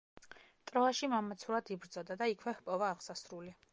ტროაში მამაცურად იბრძოდა და იქვე ჰპოვა აღსასრული.